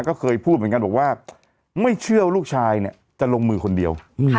ก็เคยพูดเหมือนกันบอกว่าไม่เชื่อว่าลูกชายเนี่ยจะลงมือคนเดียว